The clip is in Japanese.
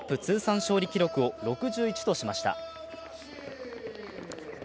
通算勝利記録を６１としました。